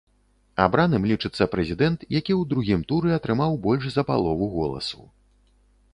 Абраным лічыцца прэзідэнт, які ў другім туры атрымаў больш за палову голасу.